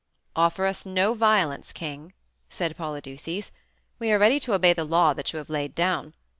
"Offer us no violence, king," said Polydeuces. "We are ready to obey the law that you have laid down.